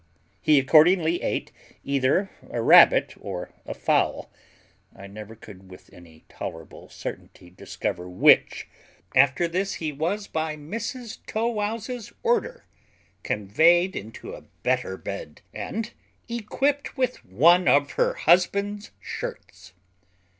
He accordingly ate either a rabbit or a fowl, I never could with any tolerable certainty discover which; after this he was, by Mrs Tow wouse's order, conveyed into a better bed and equipped with one of her husband's shirts.